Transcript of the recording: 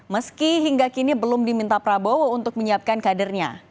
meski hingga kini belum diminta prabowo untuk menyiapkan kadernya